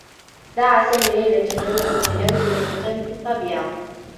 دعى سامي ليلى لتناول وجبة في الطّبيعة.